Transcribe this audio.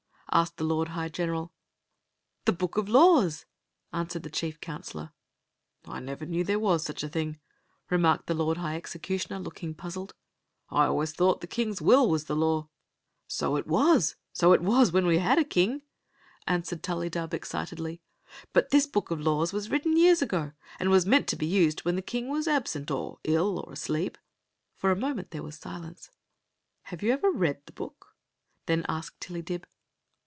asked the lord high general. "The book of laws,'* answered the chief coui^lor. " I never knew there was such a thing," remarked the lord high executioner, looking puzzled. "I always thought the kings will was the law." Story of the Magic Cloak 33 So it was! So it was when we had a ktn^ answered Tullydub, excitedly. "But this book of laws was written years ago, and was meant to be used > when the king was absent, or ill, or asleep." For a moment there was silence. "Have you ever read the book?" then asked Tillydib.